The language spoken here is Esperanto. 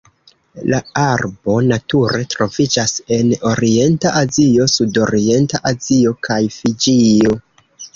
La arbo nature troviĝas en Orienta Azio, Sudorienta Azio kaj Fiĝio.